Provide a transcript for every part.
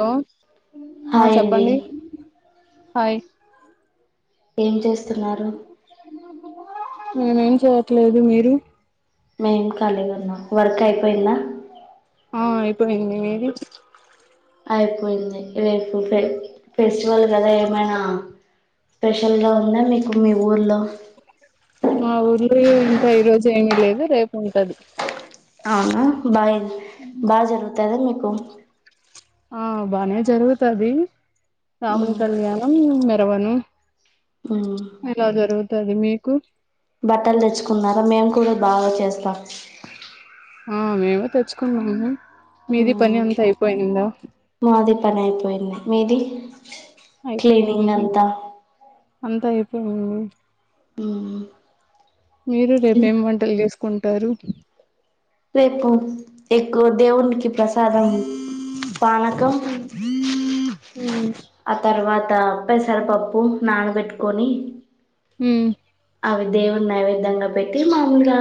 Hello ఆ hi అండి చెప్పండి హాయ్ ఏం చేస్తున్నారు మేమేం చేయట్లేదు మీరు మేం కాలిగా ఉన్నాం వర్క్ అయిపోయిందా ఆ ఐపోయింది మీది అయిపోయింది రేపు పే ఫెస్టివల్ కదా ఏమైనా స్పెషల్ గా ఉందా మీకు మీ ఊర్లో మా ఊర్లో ఇంకా ఈ రోజు ఏమి లేదు రేపు ఉంటది అవునా బాయ బా జరుగ్ తదా మీకు ఆ బానే జరుగుతాది రాముని కళ్యాణ మ్ శ్రావణు ఆ స్తధి మీకు బట్టలు తెచ్చుకున్నారా మేము కూడా బాగా చేస్త స్తా ఆ మేమే తెచ్చుకునాము హ్మ మాది పనిఅయిపోయింది మీది క్లీనింగ్ అయిపోయింది అంతా అంతా అయి పోయింది ఆ మీరు రేపు ఏం వంటలు చేస్ కుంటారు రేపు ఎక్కువ దేవునికి ప్రసాదం పానకం ఉమ్ ఉమ్ ఆ తర్వాత్ పెసరప్ప నాన్ బెట్టి కు హ్మ అవి దేవుడి నైవేద్యంగా పెట్టి మామూలుగా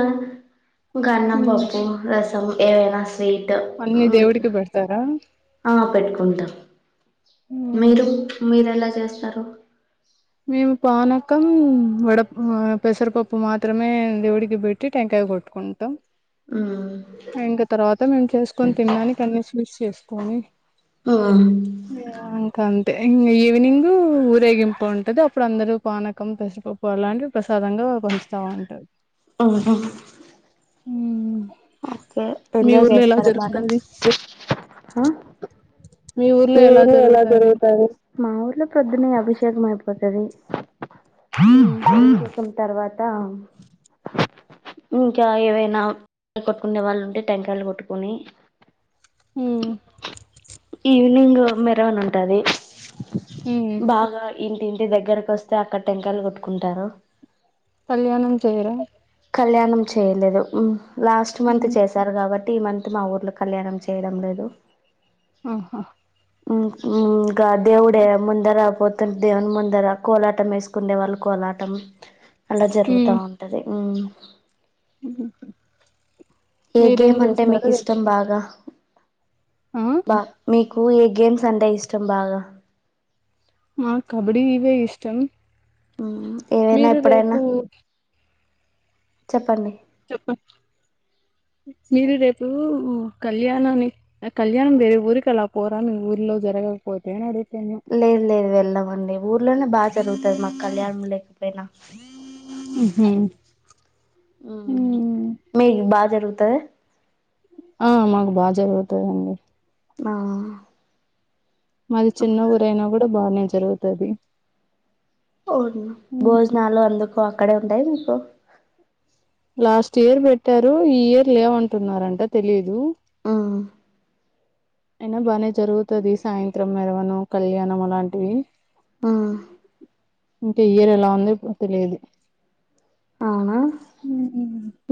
ఇంకా అన్నం ఉమ్. పప్ప వెళ్దాము ఏదైనా అన్ని దేవుడికి మోక్తర ఆ పెట్టుకుంటాం ఉమ్ మీరు మీరు ఎలా చేస్ సారు మేము పానకం వడ పెసరపప్పు మాత్రమే దేవుడికి పెట్టి టెంకాయ కొట్టుకుంటాం ఇంకా తర్వాత మేము చేసుకొని తిడానికి కన్ని మిస్ చేసుకొని ఆహా ఇంకా అం ఇంగ ఈవినింగు ఊరేగింపు ఉం ఉంటది అప్పుడు అందరూ పానకం పెసరిపప్పు అలాంటివి ప్రసాదంగా పంచుతా ఉంటారు అవున ఉ ఏ ఎంజాయ్ చేస్తారా బానే ఆ మీ ఊర్లో ఎలా జరుగుతది మా ఊర్లో ప్రొద్ద్దని అభి సెమ్మైపోతది ఉమ్ తర్వాత ఇంకా ఏవైనా కొట్టుకునే వాళ్ళు ఉంటే టెంకాయలు కొట్టుకుని ఉమ్ ఈవినింగ్ మెరవనీ ఉంటుంది ఉమ్ బాగా ఇంటింటి దగ్గరకు వస్తే అక్కడ టెంకాయలు కొట్టుకుంటారు కళ్యాణం చేయరా కళ్యాణం చేయలేదు లాస్ట్ మంత్ చేశారు కాబట్టి ప్రతి మంత్ మా ఊర్లో కళ్యాణం చేయడం లేదు ఆహ ఇంకా దేవుడే ముందర పోతుంట దేవుని ముందర కోలాటం వేసుకుండే వాళ్ళు కోలాటం అలా జరుగుతా ఉంటది హా [inaudible] ఏ మీరేం గేమ్ అంటే చేస్తారు మీకు ఇష్టం రేపు బాగా ఆ బా మీ మీ గేమ్స్ అంటే ఇష్టం బాగా ఆ కబడ్డీ ఇవే ఇష్టం ఏవైనా మీరు ఎప్పుడైనా రేపు చెప్పండి చెప్పం మీరు రేపు కళ్యాణాని కళ్యాణం వేరే ఊరికి అలా పోరా మీ ఊరిలో జరగకపోతే రేపు లేదు లేదు వెళ్ళామండి ఊర్లోనే బా జరుగుతది మాకు కళ్యాణం లేకపోయినా హ జరుగుతదా ఆ మాకు బాగా జరుగుతందండి ఆ మాది చిన్న ఊరైనా కూడా బాగా జరుగుతుది అవును భోజనాలు అందు అక్కడే ఉంటాయా మీకు లాస్ట్ ఇయర్ పెట్టారు ఈ ఇయర్ లేవంటున్నారంట తెలిదు ఆ అయినా బానే జరుగుతది సాయంత్రం మెరవను కళ్యాణం అలాంటివి ఆ ఇంకా ఈ ఇయర్ ఎలా ఉంది తెలియదు అవునా ఉహు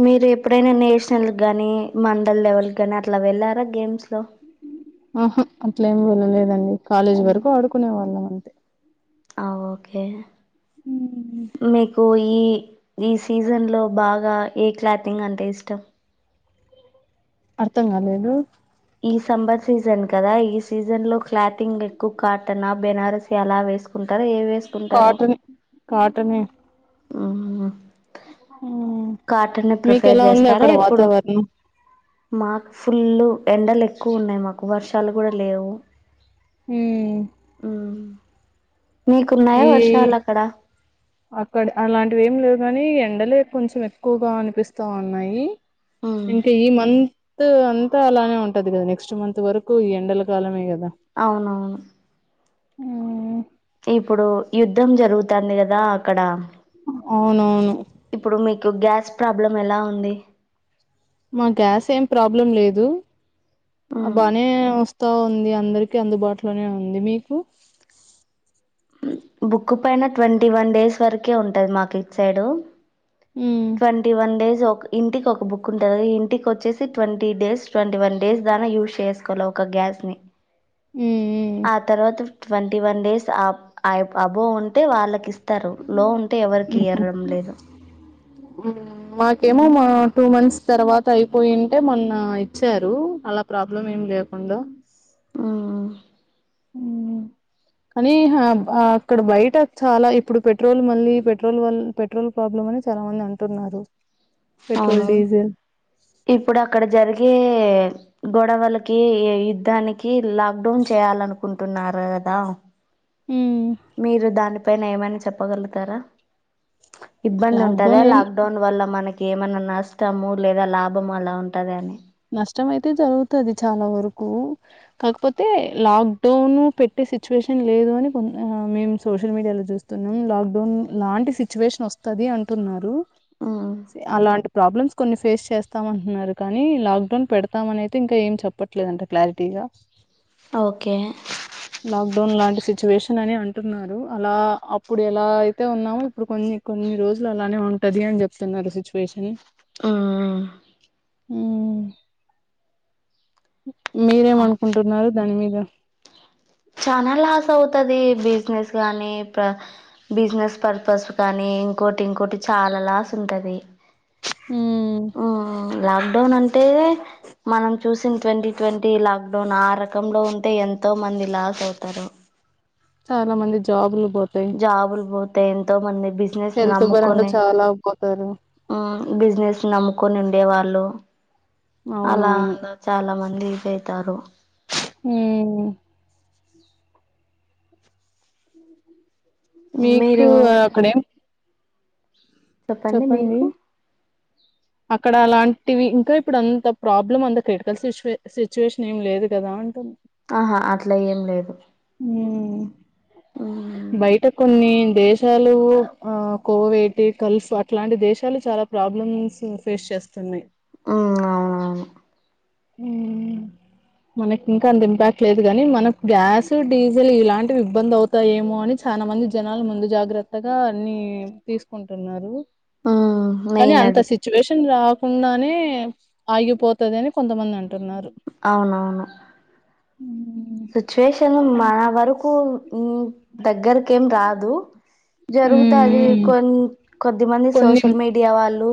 మీర ఎప్పుడైనా నేషనల్ గానీ మండల్ లెవెల్ గాని అట్లా వెళ్ళారా గేమ్స్ లో ఆహా అట్లే ఏం తెల్వలేదండి కాలేజ్ వరకు ఆడుకునే వాళ్ళమన్ ఆ ఒకే ఉమ్ మీకు ఈ ఈ సీజన్ లో బాగా ఏ క్లాతింగ్ అంటే ఇష్టం అర్థం కాలేదు ఈ సమ్మర్ సీజన్ కదా ఈ సీజన్ లో క్లాతింగ్ ఎక్కువ కాటన బెనారస్ ఎలా వేసుకుంటారు ఏవి వేసుకుంటారు కాటన్ కాటనే మ్మహ్హ్ మ్ మీకు ఎలా ఉంది చేస్తారా అక్కడ ఎప్పుడు వాతావరణం మాకు ఫుల్లు ఎండలు ఎక్కువ ఉన్నాయి మాకు వర్షాలు కూడా లేవు మ్మ్ మ్మహ్హ్ మీకున్నాయా ఈ వర్షాలు అక్కడ అక్కడ అలాంటివి ఏం లేవు గాని ఎండలే కొంచెం ఎక్కువగా అనిపిస్తా ఉన్నాయి మ్మ్. ఇంకా ఈ మంత్ అన్ అంత అలానే ఉంటది గదా నెక్స్ట్ మంత్ వరకు ఈ ఎండల కాలమే గదా అవునవును మ్మ్ ఉ ఇప్పుడు యుద్ధం జరుగుతంది గదా అక్కడ అవునవును ఇప్పుడు మీకు గ్యాస్ ప్రాబ్లం ఎలా ఉంది మా గ్యాస్ ఏం ప్రాబ్లం లేదు మ్మ్. అబ్బానే వస్ తా ఉంది అందరికి అందుబాటులోనే ఉంది. మీకు? బుక్ పైన ట్వంటీ వన్ డేస్ వరకే ఉంటది మాకు ఇట్ సైడు మ్మ్ ట్వంటీ వన్ డేస్ ఒక్ ఇంటికి ఒక్ బుక్ ఉంటది ఇంటికి వచ్చేసి twenty days twenty one days దా యూజ్ చేసుకోలా ఒక గ్యాస్ ని మ్మ్ ఆ తర్వాత ట్వంటీ వన్ డేస్ ఆప్ ఆయి బ్ అబోన్ తే వాళ్ళకి ఇస్తారు లో ఉంటే ఎవరికి ఈరడం లేదు మ్మ్ మాకేమో ఉమ్ మా టూ మంత్స్ తర్వాత అయిపోయుంటే మొన్న ఇచ్చారు అలా ప్రాబ్లం ఏం లేకుండా ఉ ఉ మ్మ్ కానీ హా మ్ బ అక్కడ బయట చాలా ఇప్పుడు పెట్రోల్ మళ్ళీ పెట్రోల్ వాల్ పెట్రోల్ ప్రాబ్లం అని చాలా మంది అంటున్నారు పెట్రోల్ అవును డీజిల్ ఇప్పుడు అక్కడ జరిగే గొడవలకి యుద్ధానికి లాక్డౌన్ చేయాలనుకుంటున్నారు కదా మీరు దాని పైన ఏమనా చెప్పగలుగుతారా ఇబ్బంది ఉంటద లాక్డౌన్ ఏం లాక్ డౌన్ వల్ల మనక్ ఏమన్నా నష్టము లేదా లాభము అలా ఉంటుంది అని కష్టం అయితే జరుగుతుంది చాలా వరకు. కాకపోతే లాక్డౌన్ పెట్టే సిచ్యువేషన్ లేదు అని కొ మేము సోషల్ మీడియాలో చూస్తున్నాము లాక్డౌన్ లాంటి సిచ్యువేషన్ వస్తుంది అంటున్నారు. అలాంటి ప్రాబ్లమ్స్ కొన్ని ఫేస్ చేస్తామ అంటున్నారు కానీ లాక్డన్ పెడతం అని అయితే ఇంకా ఏమ్ చెప్పట్లేదుదంట క్లార్ టీ గా ఓకే లాక్డౌన్ లాంటి సిచ్యువేషన్ అని అంటున్నారు. అలా అప్పుడు ఎలా అయితే ఉన్నామో ఇప్పుడు కొన్ని కొన్ని రోజులు అలానే ఉంటుది అని చెప్తున్నారు సిచ్యువేషన్. మ్మ్ మీరేమనుకుంటున్నారు దాని మీ [inaudible] చాలా లాస్ అవుతది బిజినెస్ గానీ ప్ర బిజినెస్ పర్పస్ కానీ ఇంకోటి ఇంకోటి చాలా లాస్ ఉంటది మ్మ్ ఉ లాక్ లాక్ డౌన్ అంటే మనం చూసిన ట్వంటీ ట్వంటీ లాక్ డౌన్ ఆ రకంలో ఉంటే ఎంతో మంది లాస్ తారు చాలా మంది జాబ్లు జాబులు పోతే ఎంతో మంది బిజినెస్ హెల్త్ పరంగా నమ్ముకొని చాలా పోతారు బిజినెస్ నమ్ముకొని ఉ దేవాళ్లుు అలా అవునవును అలా చాలా మంది ఇద తారుో హ మీకు మీరు అక్కడ చెప్పండి మీకు అక్కడ అలాంటివి ఇంకా ఇప్పుడు అంత ప్రాబ్లం అంత క్రిటికల్ సిచువే సిచ్యువేషన్ ఏం లేదు కదా అంటు ఆహా అట్లా ఏం లేదు ఉమ్ బయట కొన్ని దేశాలు ఆ కోవటి గల్ఫ్ అట్లాంటి దేశాలు చాలా ప్రాబ్లమ్స్ ఫేస్ చేస్తున్నాయి ఉ అవునవును మనకి ఇంకా అంత ఇంపాక్ట్ లేదు కాని మన గ్యాస్ డీజిల్ ఇలాంటివి ఇబ్బంది అవుతాయేమో అని చాలా మంది జనాలు ముందు జాగ్రత్తగా అన్ని తీసుకుంట అంటున్నారు ఉమ్ కానీ మెయిన్ అంత అది సిచ్యువేషన్ రా కుండానే ఆగిపోతుంది అని కొంతమంది అంటారు అవునవును హ్మ్ సిచ్యువేషన్ మన వరకు దగ్గరకేం రాదు హ్మ్ జరుగుతుంది హ్మ్. కొం కొద్దిమంది కొన్ని సోషల్ మీడియా వాళ్ళు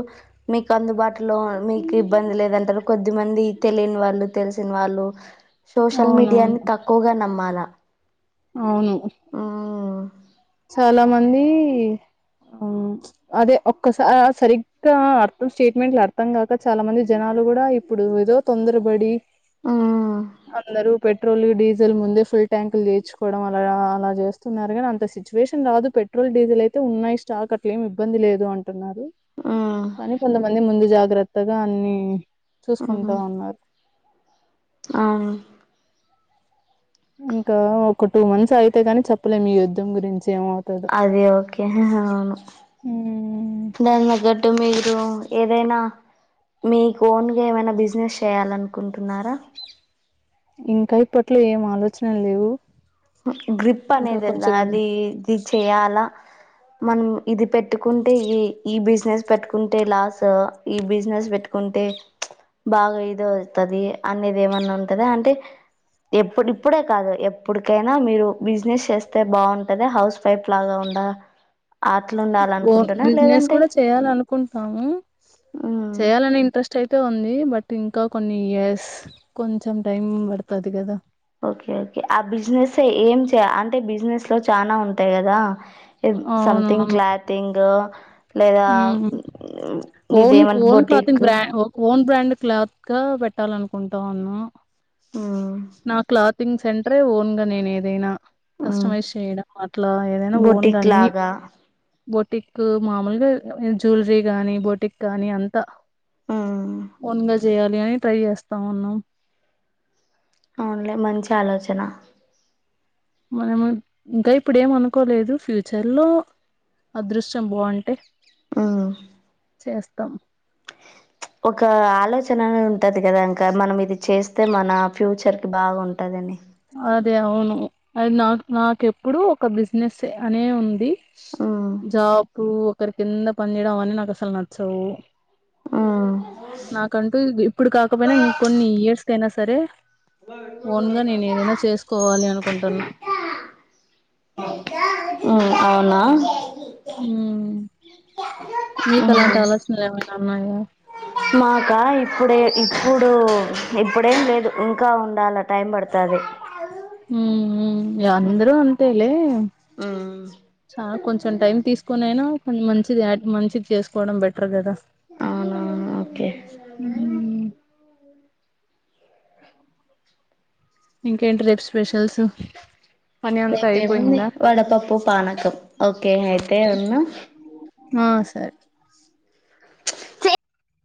మీకు అందుబాటులో మీకు ఇబ్బంది లేదంటారు కొద్ది మంది తెలియని వాళ్ళు తెలిసిన వాళ్ళు సోషల్ అవునవును మీడియాని పోగా నమ్మాలా అవును చాలా మంది ఆ అదే ఒక్కస సరిగ్గా అర్థం స్టేట్మెంట్లు అర్థం కాక చాలా మంది జనాలు కూడా ఇప్పుడు ఏదో తొందరబడి ఉమ్ అందరు పెెట్ పెట్రోల్ డీజిల్ ముందే ఫుల్ ట్యాంకులు తీర్చుకోవడం అలా అలా చేస్తున్నారు కానీ అంత సిచ్యువేషన్ రాదు పెట్రోల్ డీజిల్ అయితే ఉన్నాయి స్టాక్ అట్ల ఏమి ఇబ్బంది లేదు అంటున్నారు ఉమ్ కానీ కొంతమంది అ ముందు జాగ్రత్తగా అన్ని చూసుకుంటా ఉన్నారు అవు ఇంకా ఒక టూ మంత్స్ అయితే ని చెప్పలేం ఈ యుద్ధం గురించి ఏమవు అదే ఓకే అవును దాని తగ్గట్టు మీరు ఏదైనా మీకు ఓన్గ ఏమైనా బిజినెస్ చేయాలనుకుంటున్నారా ఇంకా ఇప్పట్లో ఏం ఆలోచనలు లేవు గ్రిప్ ఇంకా అనేది కొంచెం అది ఇది చేయాలా మనం ఇది పెట్టుకుంటే ఈ ఈ బిజినెస్ పెట్టుకుంటే లాస్ ఈ బిజినెస్ పెట్టుకుంటే బాగా ఇది అవుతది అనేది ఏమన్నా ఉంటదా అంటే ఎప్పుడు ఇప్పుడే కాదు ఎప్పుడు కైనా మీరు బిజినెస్ చేస్తే బాగుంటదా హౌస్ వైఫ్ లాగా ఉండ అట్లా ఓన్ ఉండాలనుకుంటున్నా బిజినెస్ లేదంటే కూడా చేయాలనుకుంటున్నాము మ్మ్ చేయాలని ఇంట్రెస్ట్ అయితే ఉంది బట్ ఇంకా కొన్ని ఇయర్స్ కొంచెం టైం పడుతది కదా ఓకే ఓకే ఆ బిజినెస్ ఏంచే అంటే బిజినెస్ లో చానా ఉంటాయి కదా ఇ సమ్థింగ్ క్లాతింగు ఉమ్ ఓన్ ఇదేమంట ఓన్ క్లాతింగ్ బొటిక్ బ్రా ఓన్ బ్రాండ్ క్లాత్గా పెట్ట పెట్టాలనుకుంటా ఉన్నాం మ్మ్ నా క్లాత్ తింగ్ సెంటరే ఓన్గా నేనేదైనా మ్మ్ కస్టమైజ్ చేయడం అట్లా ఏదైనా ఓన్గా బొటిక్ అన్ని లాగా బోటిక్ మామూలుగా జ్యువలరీ గానీ బోటిక్ కానీ అంతా మ్మ్ ఓన్గా చేయాలి అని ట్రై చేస్తా ఉన్నాం అవునులే మంచి ఆలోచన మనము ఇంకా ఇప్పుడుఏం అనుకోలేదు ఫ్యూచర్లో అదృష్టం బాగుంటే ఆ చేస్తాం ఒక ఆలోచననేది ఉంటది కదా ఇంకా మనం ఇది చేస్తే మన ఫ్యూచర్ కి బాగుంటదని అదే అవును అది నాకు నాకెప్పుడు ఒక బిజినెస్ అనే ఉంది ఆ ఇప్పుడు ఒకరి కింద పని చేయడం అవన్ని నాకు అసలు నచ్చవు మ్మ్ నాకంటూ ఇప్పుడు కాకపోయినా ఇంకొన్ని ఇయర్స్ కయినా సరే సరే అ దైనా చేసుకోవాలి అనుకుంటున్నా మ్మ్ అవునా ఉమ్ మీకు అలాంటి మ్మ్ ఆలోచనలు ఏమైనా ఉన్నాయా మాకా ఇప్పుడే ఇప్పుడు ఇప్పుడేం లేదు ఇంకా ఉండాల టైం పడుతది హమ్ మ్ ఇగ అందరూ అంతేలే ఉ చానా కొంచెం టైం తీసుకొని అయినా కొంచం మంచిది యాడ్ మంచిది చేసుకోవడం బెటర్ కదా అవునా ఓకే ఇంకేంటి రేపు స్పెషల్స్ పని అంతా రేపేముంది అయిపోయిందా వడపప్పు పానకం ఓకే [unintelligible] ఆ సరే